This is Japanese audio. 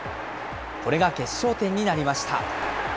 これが決勝点になりました。